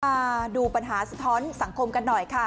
มาดูปัญหาสะท้อนสังคมกันหน่อยค่ะ